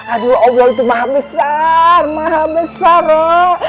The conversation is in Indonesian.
aduh allah itu maham besar maham besar roh